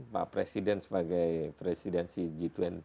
pak presiden sebagai presidensi g dua puluh